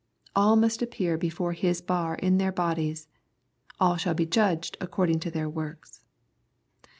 All must appear before His bar in their bodies. All shall be judged according to their works.